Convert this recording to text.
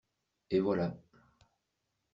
Et voilà.